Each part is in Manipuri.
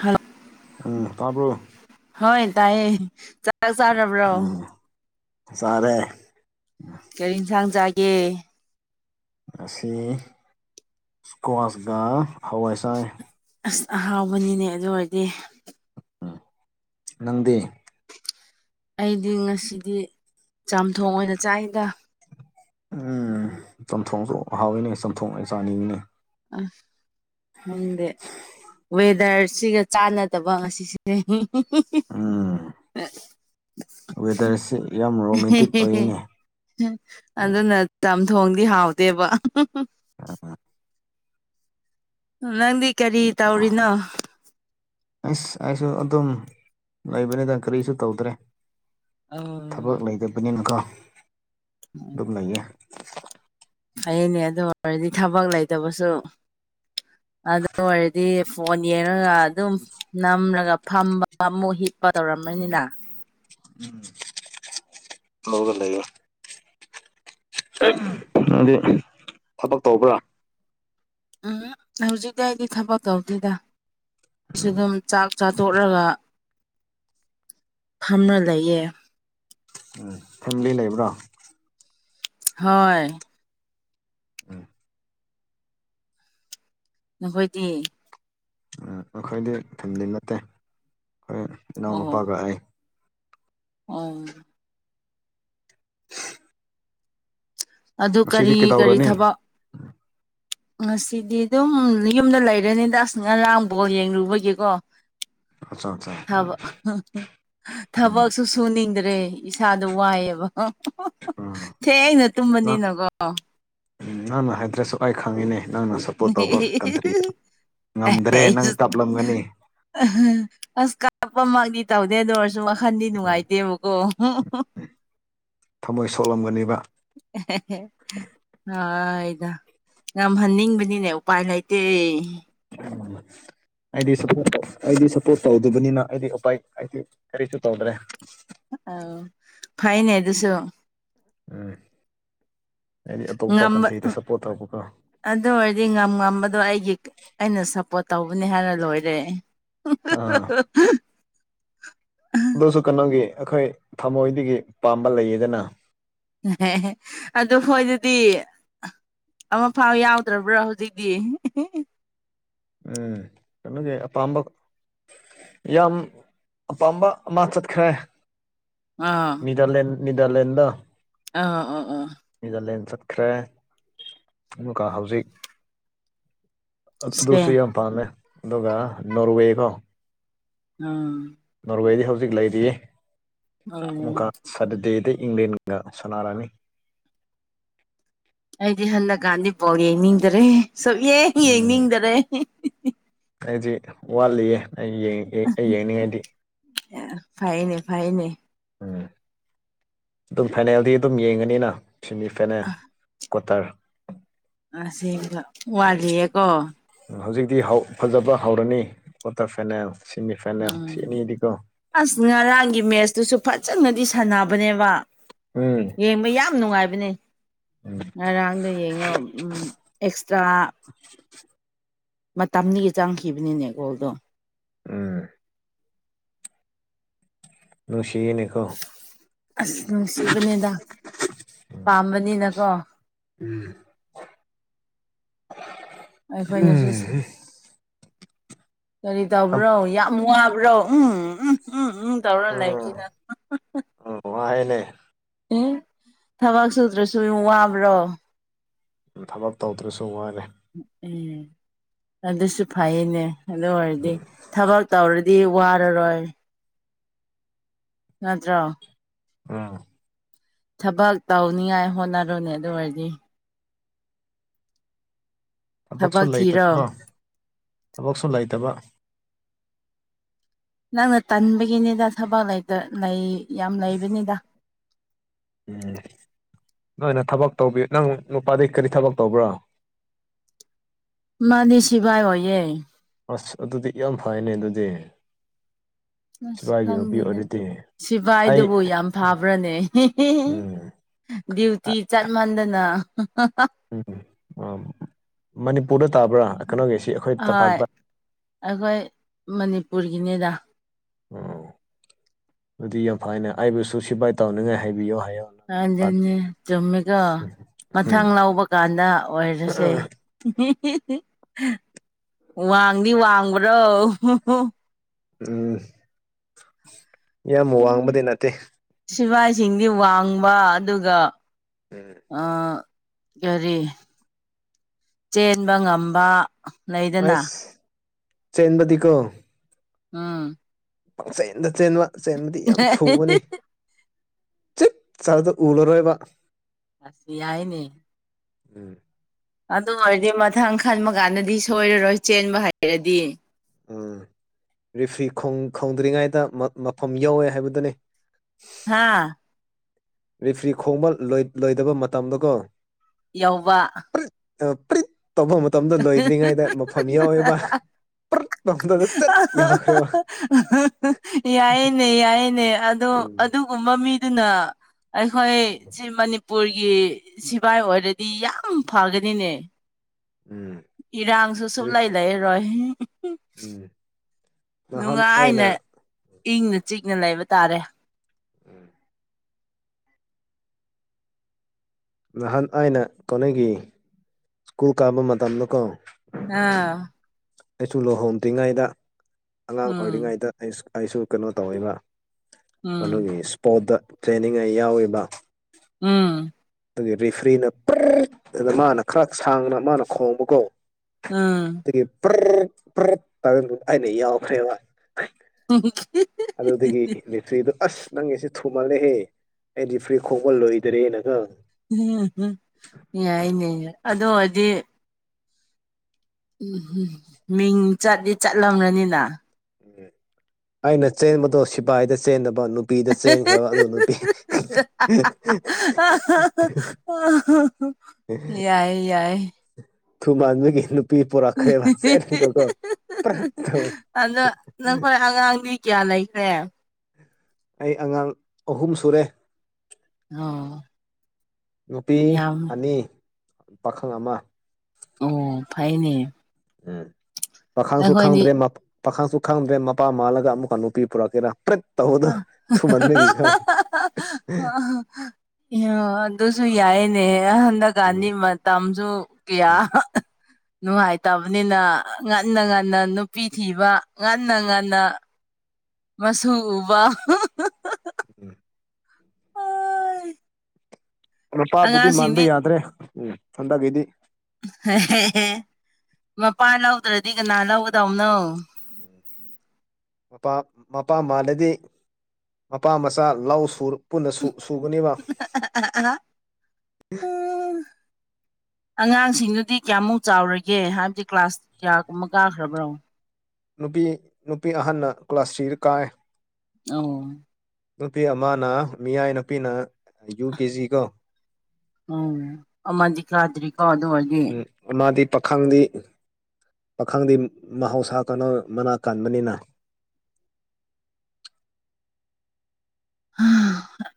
ꯍꯜꯂꯣ ꯎꯝ ꯇꯥꯄꯣ ꯍꯣꯏ ꯇꯥꯏꯌꯦ ꯆꯥꯛꯥꯛ ꯆꯥꯔꯕ꯭ꯔꯣ ꯁꯔꯦ ꯀꯔꯤ ꯌꯦꯟꯁꯥꯡ ꯆꯥꯒꯦ ꯑꯁꯤ ꯏꯁꯀ꯭ꯋꯥꯁꯀ ꯍꯋꯥꯏ ꯁꯥꯏ ꯑꯁ ꯑꯍꯥꯎꯕꯅꯤꯅꯦ ꯑꯗꯨ ꯑꯣꯏꯔꯗꯤ ꯎꯝ ꯅꯗꯤ ꯑꯩꯗꯤ ꯉꯁꯤꯗꯤ ꯆꯥꯝꯊꯣꯡ ꯑꯣꯏꯅ ꯆꯥꯛꯗ ꯎꯝ ꯆꯝꯊꯣꯡꯁꯨ ꯑꯍꯥꯎꯏꯅꯦ ꯆꯝꯊꯣꯡ ꯆꯥꯅꯤꯒꯤꯅꯦ ꯑ ꯍꯗꯦ ꯋꯦꯗꯔꯁꯤꯒ ꯆꯥꯟꯅꯗꯕ ꯑꯁꯤꯁꯤꯁꯤꯁꯦ ꯎꯝ ꯋꯦꯗꯔꯁꯤ ꯌꯥꯝ ꯔꯣꯃꯦꯟꯇꯤꯛ ꯑꯣꯏꯌꯦꯅꯦ ꯑꯗ ꯇꯝ ꯊꯣꯡꯗꯤ ꯍꯥꯎꯗꯦꯕ ꯑ ꯅꯪꯗꯤ ꯀꯔꯤ ꯇꯧꯔꯤꯅꯣ ꯑꯁ ꯑꯩꯁꯨ ꯑꯗꯨꯝ ꯂꯩꯕꯅꯤꯗ ꯀꯔꯤꯁꯨ ꯇꯧꯗ꯭ꯔꯦ ꯎꯝ ꯊꯕꯛ ꯂꯩꯇꯕꯅꯤꯅꯀꯣ ꯅꯌꯦ ꯑꯩꯅꯦ ꯑꯗꯨ ꯑꯣꯏꯔꯗꯤ ꯊꯕꯛ ꯂꯩꯇꯕꯁꯨ ꯑꯗꯨ ꯑꯣꯏꯔꯗꯤ ꯐꯣꯟ ꯌꯦꯡꯉꯒ ꯑꯗꯨꯝ ꯅꯝꯂꯒ ꯐꯝꯕꯨ ꯍꯤ ꯆꯄ ꯇꯧꯔꯝꯝꯕꯅꯤꯅ ꯎꯝ ꯂꯒ ꯂꯩꯦ ꯍꯥꯏꯗꯤ ꯊꯕꯛ ꯇꯧꯕ꯭ꯔꯥ ꯎꯝ ꯍꯧꯖꯤꯛꯇꯤ ꯑꯩꯗꯤ ꯊꯕꯛ ꯇꯧꯗꯦꯗ ꯑꯩꯁꯨ ꯎꯝ ꯑꯗꯨꯝ ꯆꯥꯛ ꯆꯥꯊꯣꯛꯂꯒ ꯐꯝꯅ ꯂꯩꯌꯦ ꯀ ꯂꯩꯕ꯭ꯔꯥ ꯍꯣꯏ ꯎꯝ ꯅꯈꯣꯏꯗꯤ ꯎꯝ ꯑꯩꯈꯣꯏꯗꯤ ꯏꯊꯟꯗꯤ ꯅꯠꯇꯦ ꯑꯩꯈꯣꯏ ꯏꯅꯥꯎꯅꯨꯄꯥꯒ ꯑꯩ ꯑ ꯑꯗꯨ ꯉꯁꯤꯗꯤ ꯀꯔꯤ ꯀꯔꯤ ꯀꯩꯗꯧꯔꯅꯤ ꯊꯕꯛ ꯉꯁꯤꯗꯤ ꯑꯗꯨꯝ ꯌꯨꯝꯗ ꯂꯩꯔꯅꯤꯗ ꯑꯁ ꯉꯔꯥꯡꯐꯥꯎ ꯌꯦꯡꯂꯡꯨꯕꯒꯤꯀꯣ ꯑꯠꯆꯥ ꯑꯠꯆꯥ ꯎꯝ ꯊꯕ ꯎꯝ ꯊꯕꯁꯨ ꯁꯨꯅꯤꯗ꯭ꯔ ꯦ ꯏꯁꯥꯗꯣ ꯋꯥꯏꯑꯦꯕ ꯎꯝ ꯁꯦ ꯑꯩꯅ ꯇꯨꯝꯕꯅꯤꯅꯀꯣ ꯎ ꯅꯪꯅ ꯍꯥꯏꯗ꯭ꯔꯁꯨ ꯑꯩ ꯈꯪꯉꯤꯅꯦ ꯅꯪꯅ ꯁꯞꯄꯣꯔꯠ ꯇꯧꯕ ꯀꯟꯇ꯭ꯔꯤꯗ ꯑꯦ ꯉꯝꯗ꯭ꯔꯦ ꯑꯩ ꯅꯪ ꯀꯥꯞꯂꯝꯒꯅꯤ ꯑꯁ ꯀꯥꯞꯄꯃꯗꯤ ꯇꯧꯗꯦꯗ ꯑꯣꯏꯔꯁꯨ ꯁ ꯋꯥꯈꯟꯗꯤ ꯎꯝ ꯅꯨꯡꯉꯥꯏꯇꯦꯕꯀꯣ ꯊꯃꯣꯏ ꯁꯣꯛꯂꯝꯒꯅꯤꯕ ꯑꯗ ꯉꯝꯍꯟꯅꯤꯡꯕꯅꯤꯅꯦ ꯎꯄꯥꯏ ꯂꯩꯇꯦ ꯎ ꯑꯩꯗꯤ ꯁꯞꯄꯣꯔꯠ ꯑꯩꯗꯤ ꯁꯞꯄꯣꯔꯠ ꯇꯧꯗꯕꯅꯤꯅ ꯑꯩꯗꯤ ꯎꯄꯥꯏ ꯑꯩꯗꯤ ꯀꯔꯤꯁꯨ ꯇꯧꯗ꯭ꯔꯦ ꯑ ꯐꯥꯏꯅꯦ ꯑꯗꯨꯁꯨꯣ ꯎꯝ ꯍꯥꯏꯗꯤ ꯑꯇꯣꯞꯄ ꯉꯝꯕ ꯀꯊꯩꯗ ꯁꯞꯄꯣꯔꯠ ꯇꯔꯛ ꯑꯗꯨ ꯑꯣꯏꯔꯗꯤ ꯉꯝ ꯉꯝꯕꯗꯣ ꯑꯩꯒꯤ ꯑꯩꯅ ꯁꯞꯄꯣꯔꯠ ꯇꯧꯕꯅꯤ ꯍꯥꯏꯅ ꯂꯣꯏꯔꯦ ꯑꯥ ꯑꯗꯨꯁꯨ ꯀꯩꯅꯣꯒꯤ ꯑꯩꯈꯣꯏ ꯊꯃꯣꯏꯗꯒꯤ ꯄꯥꯝꯕ ꯂꯩꯌꯦꯗꯅ ꯑꯗꯨ ꯍꯣꯏ ꯑꯗꯨꯗꯤ ꯑꯃ ꯐꯥꯎ ꯌꯥꯎꯗ꯭ꯔꯕ꯭ꯔꯥ ꯍꯧꯖꯤꯛꯇꯤ ꯎꯝ ꯀ ꯀꯦ ꯑꯝꯕ ꯌꯥꯝ ꯑꯄꯥꯝꯕ ꯑꯃ ꯆꯠꯈ꯭ꯔꯦ ꯅꯤꯗꯔꯂꯦꯟ ꯅꯤꯗꯔꯂꯦꯟꯗ ꯑ ꯑꯥ ꯑꯥ ꯠꯈ꯭ꯔꯦ ꯑꯗꯨꯒ ꯍꯧꯖꯤꯛ ꯑꯗꯨ- ꯑꯗꯨꯁꯨ ꯏꯁꯄꯦꯟ ꯌꯥꯝ ꯄꯥꯝꯃꯦ ꯑꯗꯨꯒ ꯅꯣꯔꯋꯦꯀꯣ ꯎꯝ ꯅꯣꯔꯕꯦꯗꯤ ꯍꯧꯖꯤꯛ ꯂꯩꯔꯤꯌꯦ ꯑꯣ ꯑꯃꯨꯛꯀꯥ ꯁꯇꯗꯦꯗꯤ ꯏꯪꯂꯦꯟꯒ ꯁꯅꯥꯔꯥꯅꯤ ꯑꯩꯗꯤ ꯍꯅꯒꯗꯤ ꯥꯎꯒꯦꯅꯤꯗꯔꯦ ꯁꯨꯛꯌꯦ ꯎꯝ ꯌꯦꯡꯅꯤꯡꯗꯔꯦ ꯑꯩꯗꯤ ꯋꯥꯠꯂꯤꯌꯦ ꯑꯩ ꯑꯩ ꯌꯦꯡꯅꯤꯡꯉꯥꯏꯗꯤ ꯑꯦ ꯐꯥꯏꯅꯦ ꯐꯥꯏꯅꯦ ꯎꯝ ꯑꯗꯨꯝ ꯐꯥꯏꯅꯦꯜꯗꯤ ꯑꯗꯨꯝ ꯌꯦꯡꯉꯅꯤꯅ ꯁꯦꯃꯤ ꯐꯥꯏꯅꯦꯜ ꯀꯨꯇꯥꯔ ꯑꯁꯤꯦꯡꯕ ꯋꯥꯂꯤꯌꯦꯀꯣ ꯗꯤ ꯐꯖꯕ ꯍꯧꯔꯅꯤ ꯀ꯭ꯋꯥꯇꯔ ꯐꯥꯏꯅꯦꯜ ꯁꯤꯃꯤ ꯐꯥꯏꯅꯦꯜ ꯎꯝ ꯁꯤ ꯑꯅꯤꯗꯤꯀꯣ ꯑꯁ ꯉ ꯉꯔꯥꯡꯒꯤ ꯃꯦꯁꯇꯨꯁꯨ ꯐꯖꯅꯗꯤ ꯁꯥꯟꯅꯕꯅꯦꯕ ꯎꯝ ꯌꯦꯡꯕ ꯌꯥꯝ ꯅꯨꯡꯉꯥꯏꯕꯅꯦ ꯎꯝ ꯉꯔꯥꯡꯗꯣ ꯌꯦꯡꯉꯣ ꯑꯦꯛꯁꯇ꯭ꯔꯥ ꯃꯇꯝꯒꯤ ꯆꯪꯈꯤꯕꯅꯤꯅꯦ ꯒꯣꯜꯗꯣ ꯎꯝ [inaudible] ꯑꯁ ꯅꯨꯡꯁꯤꯕꯅꯦꯗ ꯄꯥꯝꯕꯅꯤꯅꯀꯣ ꯎꯝ ꯑꯩꯈꯣꯏꯅꯁꯨ ꯎꯝ ꯀꯔꯤ ꯇꯧꯕ꯭ꯔꯣ ꯌꯥꯝ ꯋꯥꯕ꯭ꯔꯣ ꯎꯝ ꯎꯝ ꯎꯝ ꯎꯝ ꯇꯧꯔ ꯂꯩ ꯀꯅ ꯄ꯭ꯂꯦ ꯑꯦ ꯊꯕꯛ ꯁꯨꯗ꯭ꯔꯁꯨ ꯋꯥꯕ꯭ꯔꯣ ꯎ ꯊꯕꯞ ꯇꯧꯗ꯭ꯔꯁꯨ ꯃꯥꯔꯦ ꯎꯝ ꯅꯗꯁꯨ ꯐꯥꯏꯅꯦ ꯑꯗꯨ ꯑꯣꯏꯔꯗꯤ ꯎꯝ ꯊꯕꯛ ꯇꯧꯔꯗꯤ ꯋꯥꯔꯔꯣꯏ ꯅꯠꯇ꯭ꯔꯣ ꯑꯥ ꯊꯕꯛ ꯇꯧꯅꯤꯉꯥꯏ ꯍꯣꯠꯅꯔꯨꯅꯦ ꯑꯗꯨ ꯑꯣꯏꯔꯗꯤ ꯊꯕꯛꯁꯨ ꯊꯕꯛ ꯊꯤꯔꯣ ꯂꯩꯇꯕꯀꯣ ꯊꯕꯛꯁꯨ ꯂꯩꯇꯕ ꯅꯪꯅ ꯇꯟꯕꯒꯤꯅꯤꯗ ꯊꯕꯛ ꯂꯩꯇ ꯂꯩ ꯌꯥꯝ ꯂꯩꯕꯅꯤꯗ ꯎꯝ ꯅꯣꯏꯅ ꯊꯕꯛ ꯇꯧꯕꯤꯌꯨ ꯅꯪ ꯅꯨꯄꯥꯗꯒꯤꯩ ꯀꯔꯤ ꯊꯕꯛ ꯇꯧꯕ꯭ꯔꯣ ꯃꯥꯅꯦ ꯁꯕꯥꯥꯏ ꯑꯣꯏꯌꯦꯦ ꯑꯁ ꯑꯗꯨꯗꯤ ꯌꯥꯝ ꯐꯩꯅꯦ ꯑꯗꯨꯗꯤ ꯑꯁ ꯁꯤꯕꯥꯏꯒꯤ ꯅꯨꯄꯤ ꯈꯪꯗꯦꯗ ꯑꯣꯏꯔꯗꯤ ꯑꯩ ꯁꯤꯐꯥꯏꯗꯨꯕꯨ ꯌꯥꯝ ꯐꯥꯕ꯭ꯔꯥꯅꯦ ꯎꯝ ꯗ꯭ꯌꯨꯇꯤ ꯆꯠꯃꯟꯗꯅ ꯑ ꯃꯅꯤ ꯄꯨꯗ ꯇꯥꯕ꯭ꯔꯥ ꯀꯩꯅꯣꯒꯤꯁꯤ ꯑꯩꯈꯣꯏ ꯍꯣꯏ ꯇꯝꯄꯥꯛꯄ ꯑꯩꯈꯣꯏ ꯃꯅꯤꯄꯨꯔꯒꯤꯅꯤꯗ ꯑꯣ ꯑꯗꯨꯗꯤ ꯌꯥꯝ ꯐꯅꯦ ꯑꯩꯕꯨꯁꯨ ꯁꯤꯐꯥꯏ ꯇꯧꯅꯤꯡꯉꯥꯏ ꯍꯥꯏꯕꯤꯌꯨ ꯍꯥꯏ ꯑꯖꯤ ꯆꯃꯤꯒꯥ ꯎꯝ ꯃꯊꯪ ꯂꯧꯕ ꯀꯥꯟꯗ ꯑꯣꯏꯔꯁꯦ ꯋꯥꯡꯗꯤ ꯋꯥꯡꯕ꯭ꯔꯣ ꯎꯝ ꯌꯥꯝ ꯋꯥꯡꯕꯗꯤ ꯅꯠꯇꯦ ꯁꯤꯐꯥꯏꯁꯤꯡꯗꯤ ꯋꯥꯡꯕ ꯑꯗꯨꯒ ꯎꯝ ꯀꯔꯤ ꯆꯦꯟꯕ ꯉꯝꯕ ꯂꯩꯗꯅ ꯑꯁ ꯆꯦꯟꯕꯗꯤꯀꯣ ꯑꯥ ꯄꯥꯛꯆꯦꯟꯗ ꯆꯦꯟꯕ ꯆꯦꯟꯕꯗꯤ ꯌꯥꯝ ꯊꯨꯕꯅꯤ ꯆꯠ ꯆꯗ ꯎꯂꯔꯣꯏꯕ ꯑ ꯁꯤ ꯌꯥꯥꯏꯅꯤ ꯎꯝ ꯑꯗꯨ ꯑꯣꯏꯔꯗꯤ ꯃꯊꯪ ꯈꯟꯕ ꯀꯥꯟꯗꯗꯤ ꯁꯣꯏꯔꯔꯣꯏ ꯆꯦꯟꯕ ꯍꯥꯏꯩꯔꯗꯤ ꯎꯝ ꯔꯤꯐ꯭ꯔꯤ ꯈꯣꯡꯗ꯭ꯔꯤꯉꯩꯗ ꯃꯐꯝ ꯌꯧꯋꯦ ꯍꯥꯏꯕꯗꯨꯅꯤ ꯍꯥꯥ ꯔꯤꯐ꯭ꯔꯤ ꯈꯣꯡꯕ ꯂꯣꯏꯗꯕ ꯃꯇꯝꯗꯀꯣ ꯌꯧꯋꯥ ꯄ꯭ꯔꯤꯠ ꯄ꯭ꯔꯤꯠ ꯇꯧꯕ ꯃꯇꯝꯗ ꯂꯣꯏꯗ꯭ꯔꯤꯉꯩꯗ ꯃꯐꯝ ꯌꯥꯎꯋꯦꯕꯔꯤꯠ ꯌꯥꯏꯅꯦ ꯌꯥꯏꯅꯦ ꯑꯗꯣ ꯎꯝ ꯑꯗꯨꯒꯨꯝꯕ ꯃꯤ ꯑꯗꯨꯅ ꯑꯩꯈꯣꯏ ꯑꯧ ꯁꯤ ꯃꯅꯤꯄꯨꯔꯒꯤ ꯒꯤ ꯁꯤꯚꯥꯏ ꯑꯣꯏꯔꯗꯤ ꯌꯥꯝ ꯐꯒꯅꯤꯅꯦ ꯎꯝ ꯏꯔꯥꯡꯁꯨ ꯁꯣꯛ ꯂꯩꯥꯏ ꯂꯩ ꯔꯦ ꯎꯝ ꯅꯍꯥꯟ ꯑꯩꯅ ꯏꯪꯅ ꯆꯤꯛꯅ ꯂꯩꯕ ꯇꯥꯔꯦ ꯅꯍꯥꯟ ꯑꯩꯅ ꯀꯅꯒꯤ ꯁ꯭ꯀꯨꯜ ꯀꯥꯕ ꯃꯇꯝꯗꯀꯣ ꯑꯥ ꯑꯩꯁꯨ ꯂꯨꯍꯣꯡꯗ꯭ꯔꯤꯉꯩꯗ ꯑꯉꯥꯡ ꯎꯝ ꯑꯣꯏꯔꯤꯉꯩꯗ ꯑꯩꯁꯨ ꯀꯩꯅꯣ ꯇꯧꯕ ꯎꯝ ꯑꯗꯨꯒꯤ ꯏꯁꯄꯣꯔꯠꯇ ꯇ꯭ꯔꯦꯅꯤꯡ ꯌꯥꯎꯔꯤꯕ ꯎꯝ ꯑꯗꯨꯒꯤ ꯔꯦꯐ꯭ꯔꯤꯅ ꯑꯗꯨꯗ ꯃꯥꯅ ꯈꯔ ꯁꯥꯡꯅ ꯃꯥꯅ ꯈꯣꯡꯕꯒꯣ ꯑꯥ ꯦ꯭ꯔꯦ ꯑꯩꯅ ꯌꯥ ꯐ꯭ꯔꯦꯕ ꯑꯗ ꯍꯧꯗꯤꯗꯒꯤ ꯂꯁꯔꯤꯗꯨ ꯑꯁ ꯅꯪꯁꯦ ꯊꯨꯃꯜꯂꯦꯍꯦ ꯑꯩꯗꯤ ꯐ꯭ꯔꯤ ꯈꯣꯡꯄ ꯂꯣꯏꯗ꯭ꯔꯦꯅ ꯈꯪꯉ ꯌꯥꯏꯅꯦ ꯑꯗꯨ ꯑꯣꯏꯔꯗꯤ ꯎꯝ ꯎꯝ ꯃꯤꯡ ꯆꯠꯂꯤ ꯆꯠꯂꯝ꯭ꯔꯅꯤꯅ ꯎꯝ ꯑꯩꯅ ꯆꯦꯟꯕꯗꯣ ꯁꯤꯐꯥꯏꯗ ꯆꯦꯟꯗꯕ ꯅꯨ ꯅꯨꯄꯤꯗ ꯆꯦꯟꯈ꯭ꯔꯕ ꯑꯗꯨ ꯅꯨꯄꯤ ꯌꯥꯏ ꯌꯥꯏ ꯊꯨ ꯃꯥꯗꯃꯤꯒꯤ ꯅꯨꯄꯤ ꯄꯨꯔꯥꯈꯔꯦꯁꯦꯅꯤ ꯀꯣ ꯑꯗ ꯅꯈꯣꯏ ꯑꯉꯥꯡꯗꯤ ꯀꯌꯥ ꯂꯩꯈ꯭ꯔꯦ ꯑꯩ ꯑꯉꯥꯡ ꯑꯍꯨꯝ ꯁꯨꯔꯦ ꯑꯣ ꯅꯨꯄꯤ ꯌꯥꯝ ꯑꯅꯤ ꯄꯥꯈꯪ ꯑꯃ ꯑꯣ ꯐꯥꯏꯅꯦ ꯎꯝ ꯄꯥꯈꯪꯁꯨ ꯈꯪꯗ꯭ꯔꯦ ꯄꯥꯈꯪꯁꯨ ꯈꯪꯗ꯭ꯔꯦ ꯃꯄꯥ ꯃꯥꯜꯂꯒ ꯑꯃꯨꯛꯀ ꯅꯨꯄꯤ ꯄꯨꯔꯛꯀꯦꯔꯥꯠ ꯇ ꯍꯗꯣ ꯊꯨ ꯃꯟꯃꯦꯦ ꯀ ꯀ ꯑꯣ ꯑꯗꯨꯁꯨ ꯌꯥꯏ ꯅ ꯎꯝ ꯍꯟꯗꯀꯥꯟꯅꯤ ꯃꯇꯝꯁꯨ ꯀꯌꯥ ꯎꯝ ꯅꯨꯡꯉꯥꯏꯇꯕꯅꯤꯅ ꯉꯟꯅ ꯉꯟꯅ ꯅꯨꯄꯤ ꯊꯤꯕ ꯉꯟꯅ ꯉꯟꯅ ꯃꯁꯨ ꯎꯕ ꯋꯥ ꯎꯝ ꯅꯨꯄꯥꯕꯨꯗꯤ ꯃꯥꯟꯕ ꯑꯉꯥꯡꯁꯤꯡꯗꯤ ꯌꯥꯗ꯭ꯔꯦ ꯎꯝ ꯍꯟꯗꯛꯀꯤꯗꯤ ꯍꯍꯍ ꯃꯄꯥ ꯂꯧꯗ꯭ꯔꯗꯤ ꯀꯅꯥ ꯂꯧꯒꯗꯧꯅꯣ ꯎ ꯃꯄꯥ ꯃꯄꯥ ꯃꯜꯂꯗꯤ ꯃꯄꯥ ꯃꯆꯥ ꯂꯧ ꯁꯨꯔ ꯄꯨꯟꯅꯁꯨ ꯁꯨꯒꯨꯅꯤꯕ ꯑꯉꯥꯡꯁꯤꯡꯗꯨꯗꯤ ꯀꯌꯥꯃꯨꯛ ꯆꯥꯎꯔꯒꯦ ꯍꯥꯏꯕꯗꯤ ꯀ꯭ꯂꯥꯁ ꯀꯌꯥꯒꯨꯝꯕ ꯀꯥꯈ꯭ꯔꯕ꯭ꯔꯣ ꯅꯨꯄꯤ ꯅꯨꯄꯤ ꯑꯍꯟꯅ ꯀ꯭ꯂꯥꯁꯇꯔ ꯀꯥꯏ ꯑꯣ ꯅꯨꯄꯤ ꯑꯃꯅ ꯃꯤꯌꯥꯏ ꯅꯨꯄꯤꯅ ꯌꯨ ꯀꯦ ꯖꯤ ꯀꯣ ꯑꯣꯝ ꯑꯃꯗꯤ ꯀꯥꯗ꯭ꯔꯤꯀꯣ ꯑꯗꯨ ꯑꯣꯏꯗꯤ ꯎꯝ ꯃꯥꯗꯤ ꯄꯥꯈꯪꯗꯤ ꯄꯥꯈꯪꯗꯤ ꯃꯍꯧꯁꯥ ꯀ ꯃꯅꯥ ꯀꯟꯕꯅꯤꯅ [inaudible]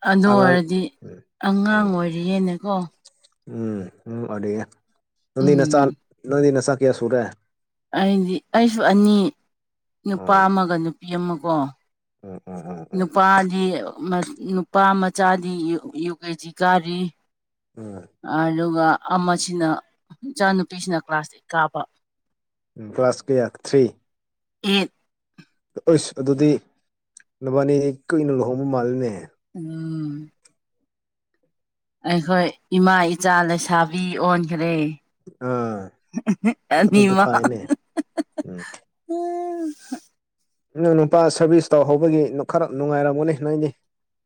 ꯑꯗꯨ ꯑꯉꯥꯡ ꯑꯣꯏꯔꯗꯤ ꯎꯝ ꯑꯉꯥꯡ ꯑꯣꯏꯔꯤꯌꯦꯦꯅꯦꯀꯣ ꯎꯝ ꯎꯝ ꯅꯗꯤ ꯅꯆꯥ ꯎꯝ ꯅꯟꯗꯤ ꯅꯆꯥ ꯀꯌꯥ ꯁꯨꯔꯦ ꯑꯩꯗꯤ ꯑꯩꯁꯨ ꯑꯅꯤ ꯅꯨꯄꯥ ꯎꯝ ꯑꯃꯒ ꯅꯨꯄꯤ ꯑꯃꯀꯣ ꯎꯝ ꯎꯝ ꯎꯝ ꯎꯝ ꯅꯨꯄꯥꯗꯤ ꯅꯨꯄꯥ ꯃꯆꯥꯗꯤ ꯌꯨꯒꯖꯤ ꯀꯥꯔꯤ ꯎꯝ ꯑꯂꯒ ꯑꯃꯁꯤꯅ ꯏꯆꯥ ꯅꯨꯨꯄꯤꯁꯤꯅ ꯀ꯭ꯂꯥꯁ ꯑꯦꯠ ꯀꯥꯕ ꯎ ꯀ꯭ꯂꯥꯁ ꯀꯌꯥ ꯊ꯭ꯔꯤ ꯌꯦꯠ ꯑꯣꯏꯁ ꯑꯗꯨꯗꯤ ꯅꯕꯥꯅꯤ ꯀꯨꯏꯅ ꯂꯨꯍꯣꯡꯕ ꯃꯥꯂꯅꯦꯍ ꯎꯝ ꯑꯩꯈꯣꯏ ꯏꯃꯥ ꯏꯆꯥ ꯂꯩꯁꯥꯕꯤ ꯑꯣꯟꯈ꯭ꯔꯦ ꯑꯥ ꯑꯗꯨꯗ ꯑꯅꯤꯃ ꯐꯥꯏꯅꯦ ꯎꯝ ꯎ ꯎꯝ ꯍ ꯅꯪ ꯅꯨꯄꯥ ꯁꯔꯚꯤꯁ ꯇꯧꯍꯧꯕꯒꯤ ꯈꯔ ꯅꯨꯡꯉꯥꯏꯔꯝꯒꯅꯤ ꯅꯣꯏꯗꯤ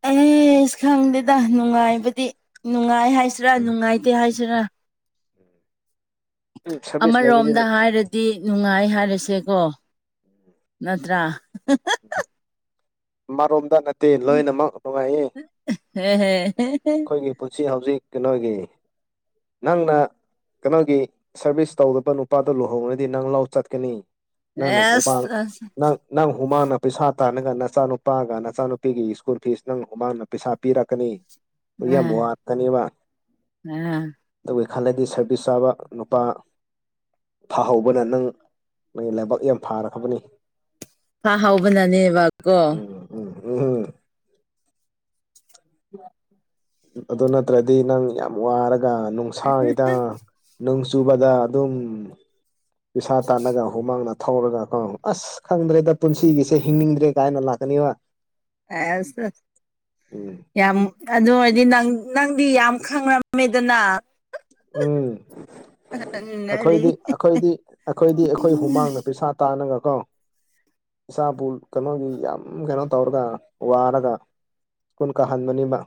ꯑꯦꯁ ꯈꯪꯗꯦꯗ ꯅꯨꯡꯉꯥꯏꯕꯗꯤ ꯅꯨꯡꯉꯥꯏ ꯍꯥꯏ ꯍꯥꯏꯁꯤꯔꯥ ꯅꯨꯡꯉꯥꯏꯇꯦ ꯍꯥꯏꯁꯤꯔꯥ ꯎꯝ ꯁꯥꯔꯚꯤꯁ ꯂꯩꯕꯗꯤ ꯑꯃꯔꯣꯝꯗ ꯍꯥꯏꯔꯗꯤ ꯅꯨꯡꯉꯥꯏ ꯍꯥꯏꯔꯁꯦꯀꯣ ꯅꯠꯇ꯭ꯔꯥ ꯃꯥꯔꯣꯝꯗ ꯅꯠꯇꯦ ꯂꯣꯏꯅꯃꯛ ꯅꯨꯡꯉꯥꯏꯌꯦ ꯍꯦ ꯍꯦ ꯑꯩꯈꯣꯏꯒꯤ ꯄꯨꯟꯁꯤ ꯍꯧꯖꯤꯛ ꯀꯩꯅꯣꯒꯤ ꯅꯪꯅ ꯀꯩꯅꯣꯒꯤ ꯁꯥꯔꯚꯤꯁ ꯇꯧꯗꯕ ꯅꯨꯄꯥꯗꯣ ꯂꯨꯍꯧꯅꯗꯤ ꯅꯪ ꯂꯥꯎ ꯆꯠꯀꯅꯤ ꯅꯪ ꯎꯃꯪ ꯑꯦꯁ ꯑꯁ ꯅꯪ ꯍꯨꯃꯥꯡꯅ ꯄꯩꯁꯥ ꯇꯥꯟꯅꯒ ꯅꯆꯥꯅꯨꯄꯥꯒ ꯅꯆꯥꯅꯨꯄꯤꯒꯤ ꯁ꯭ꯀꯨꯜ ꯐꯤꯁ ꯅꯪ ꯍꯨꯃꯥꯡꯅ ꯄꯩꯁꯥ ꯄꯤꯔꯛꯀꯅꯤ ꯍ ꯌꯥꯝ ꯑꯥ ꯃꯨꯇꯅꯤꯕ ꯑꯥ ꯈꯜꯂꯗꯤ ꯁꯥꯔꯚꯤꯁ ꯆꯥꯕ ꯅꯨꯄꯥ ꯐꯍꯧꯕꯅ ꯅꯪ ꯅ ꯂꯥꯏꯕꯛ ꯌꯥꯝ ꯐꯥꯔꯛꯈ꯭ꯔꯕꯅꯤ ꯍꯥꯥ ꯍꯥꯎꯕꯅꯅꯦꯕꯀꯣ ꯎꯍꯨꯝ ꯑꯗꯨ ꯅꯠꯇ꯭ꯔꯗꯤ ꯅꯪ ꯌꯥꯝ ꯋꯥꯔ ꯅꯨꯡꯁꯥꯒꯤꯗ ꯅꯣꯡ ꯆꯨꯕꯗ ꯑꯗꯨꯝ ꯄꯁꯥ ꯇꯥꯜꯂꯒ ꯍꯨꯃꯥꯡꯅ ꯊꯧꯔꯒ ꯑꯁ ꯈꯪꯗ꯭ꯔꯦꯗ ꯄꯨꯟꯁꯤꯒꯤꯁꯦ ꯍꯤꯡꯅꯤꯡꯗ꯭ꯔꯦ ꯀꯥꯏꯅ ꯂꯥꯛ ꯀꯅꯤꯕ ꯑꯦꯁ ꯎꯝ ꯌꯥꯝ ꯑꯗꯨ ꯑꯣꯏꯔꯗꯤ ꯅꯪꯗꯤ ꯌꯥꯝ ꯈꯪꯉꯝꯃꯦꯗꯅ ꯎꯝ ꯍꯥꯏꯗꯤ ꯑꯩꯈꯣꯏꯗꯤ ꯑꯩꯈꯣꯏꯗꯤ ꯑꯩꯈꯣꯏꯗꯤ ꯑꯩꯈꯣꯏ ꯍꯨꯃꯥꯡꯗ ꯄꯩꯁꯥ ꯇꯥꯅꯒ ꯀꯣ ꯏꯁꯥꯕꯨ ꯀꯩꯅꯣꯒꯤ ꯌꯥꯝ ꯀꯩꯅꯣ ꯇꯧꯔꯒ ꯋꯥꯔꯒ ꯀꯨꯟ ꯀ ꯍꯟ ꯃꯅꯤꯃ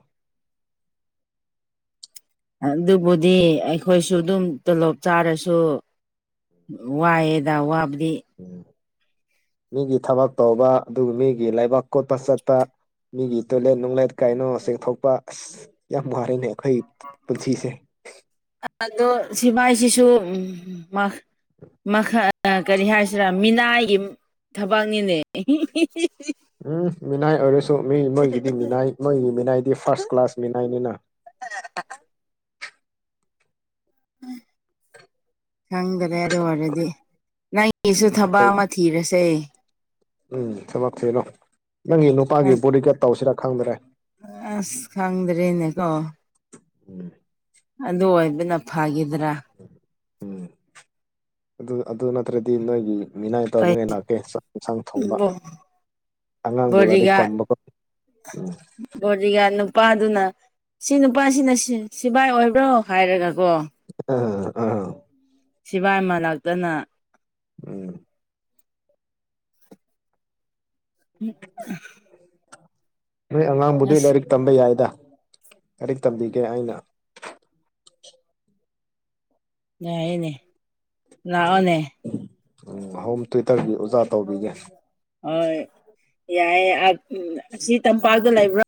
[inaudible] ꯑꯗꯨꯕꯨꯗꯤ ꯑꯩꯈꯣꯏꯁꯨ ꯑꯗꯨꯝ ꯇꯣꯂꯣꯞ ꯆꯥꯔꯁꯨ ꯋꯥꯦꯗ ꯋꯥ ꯎꯝ ꯃꯤꯒꯤ ꯊꯕꯛ ꯇꯧꯕ ꯑꯗꯨꯒ ꯃꯤꯒꯤ ꯂꯩꯕꯥꯛ ꯀꯣꯠꯄ ꯆꯠꯄ ꯃꯤꯒꯤ ꯇꯣꯏꯂꯦꯠ ꯅꯨꯡꯂꯦꯠ ꯀꯥꯏꯅꯣ ꯆꯦꯡꯊꯣꯛꯄ ꯑꯁ ꯌꯥꯝ ꯋꯥꯔꯤꯅꯦ ꯑꯩꯈꯣꯏ ꯄꯨꯟꯁꯤꯁꯦ ꯑꯗꯣ ꯁꯤꯚꯥꯏꯁꯤꯁꯨ ꯃꯈꯥ ꯀꯔꯤ ꯍꯥꯏꯁꯤꯔꯥ ꯃꯤꯅꯥꯏꯒꯤ ꯊꯕꯛꯅꯤꯅꯦ ꯎꯝ ꯃꯤꯅꯥꯏ ꯑꯣꯏ ꯃꯤ ꯃꯣꯏꯒꯤꯗꯤ ꯃꯤꯅꯥꯏ ꯃꯣꯏꯒꯤ ꯃꯤꯅꯥꯏꯗꯤ ꯐꯥꯔꯁ ꯀ꯭ꯂꯥꯁ ꯃꯤꯅꯥꯏꯅꯤꯅ ꯈꯪꯈꯔꯦ ꯑꯗꯨ ꯑꯣꯏꯔꯗꯤ ꯅꯪꯒꯤꯁꯨ ꯎꯝ ꯊꯕꯛ ꯑꯩꯈꯣꯏ ꯑꯃ ꯊꯤꯔꯁꯦ ꯎꯝ ꯊꯃꯛ ꯊꯅꯣ ꯅꯪꯒꯤ ꯅꯨꯄꯥꯒꯤ ꯕꯣꯂꯤꯀꯥꯔꯗ ꯇꯧꯁꯤꯔꯥ ꯈꯪꯗ꯭ꯔꯦ ꯑꯁ ꯈꯪꯗ꯭ꯔꯦꯅꯦ ꯀꯣ ꯎꯝ ꯑꯗꯨ ꯑꯣꯏꯕꯅ ꯐꯥꯒꯤ ꯎꯝ ꯑꯗꯨ ꯑꯗꯨ ꯅꯠꯇ꯭ꯔꯗꯤ ꯅꯣꯏꯒꯤ ꯃꯤꯅꯥꯏ ꯇꯧꯅꯉꯥꯏ ꯂꯥꯛꯀꯦ ꯆꯥꯛ ꯏꯁꯥꯡ ꯊꯣꯡꯕ ꯑꯉꯥꯡꯕꯨ ꯂꯥꯏꯔꯤꯛ ꯇꯝꯕ ꯈꯣꯠ ꯣꯖꯤꯒ ꯅꯨꯄꯥꯗꯨꯅ ꯁꯤ ꯅꯨꯄꯥꯁꯤꯅ ꯁꯤꯐꯥꯏ ꯑꯣꯏꯕ꯭ꯔꯣ ꯍꯥꯏꯔꯒꯀꯣ ꯑ ꯑ ꯁꯤꯚꯥꯏ ꯑꯃꯅꯥꯥꯛꯇꯅ ꯎꯝ ꯎꯝ ꯅꯣꯏ ꯑꯉꯥꯡꯕꯨꯗꯤ ꯂꯥꯏꯔꯤꯛ ꯇꯝꯕ ꯌꯥꯏꯗ ꯂꯥꯏꯔꯤꯛ ꯇꯝꯕꯤꯒꯦ ꯑꯩꯅ ꯌꯥꯏꯌ‌ꯦꯅꯦ ꯂꯥꯛꯑꯣꯅꯦ ꯎꯝ ꯑꯍꯣꯨꯝ ꯇꯨꯋ ꯇꯕꯤ ꯑꯣꯖꯥ ꯇꯧꯕꯤꯒꯦ ꯍꯣꯏ ꯌꯥꯏꯦ ꯑꯁꯤ ꯇꯝꯄꯥꯛꯇ ꯂꯩꯕ꯭ꯔꯥ